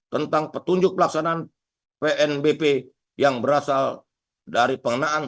tentang petunjuk pelaksanaan pnbp yang berasal dari pengenaan